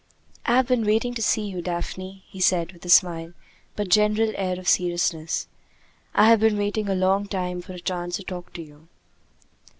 "I have been waiting to see you, Daphne," he said, with a smile, but general air of seriousness. "I have been waiting a long time for a chance to talk to you."